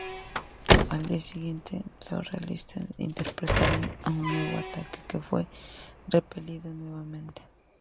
Al día siguiente, los realistas intentaron un nuevo ataque que fue repelido nuevamente.